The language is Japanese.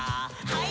はい。